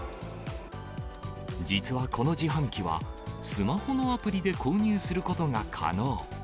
実はこの自販機は、スマホのアプリで購入することが可能。